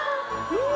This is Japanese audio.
うわ！